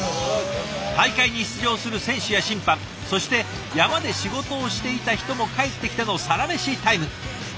大会に出場する選手や審判そして山で仕事をしていた人も帰ってきてのサラメシタイム。